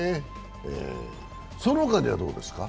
その他にはどうですか？